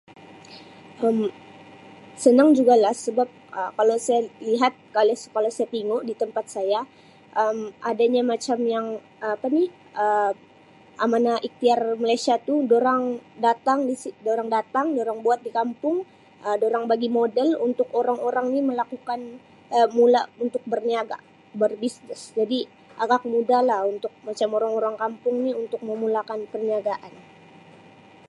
Um Senang jugalah sebab Um kalau saya lihat kalau-kalau saya tingu di tempat saya Um adanya macam yang Um apa ni Um Amanah Ikhtiar Malaysia tu durang datang di si- durang datang, durang buat di kampung Um durang bagi modal untuk orang-orang ni melakukan Um mula untuk berniaga, berbusiness jadi agak mudahlah untuk orang-orang kampung ni memulakan perniagaan.